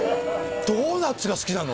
ドーナツが好きなの？